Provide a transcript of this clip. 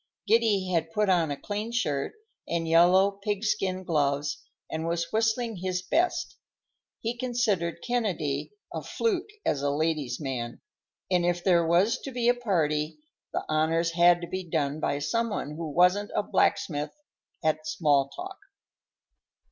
Giddy had put on a clean shirt and yellow pig skin gloves and was whistling his best. He considered Kennedy a fluke as a ladies' man, and if there was to be a party, the honors had to be done by some one who wasn't a blacksmith at small talk.